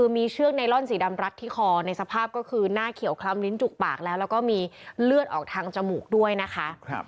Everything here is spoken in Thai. มีเชือกไนลอนสีดำรัดที่คอในสภาพก็คือหน้าเขียวคล้ำลิ้นจุกปากแล้วแล้วก็มีเลือดออกทางจมูกด้วยนะคะ